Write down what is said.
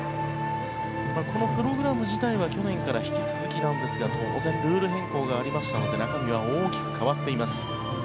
このプログラム自体は去年から引き続きなんですが当然ルール変更がありましたので中身は大きく変わっています。